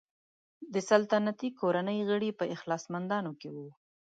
د سلطنتي کورنۍ غړي په اخلاصمندانو کې وو.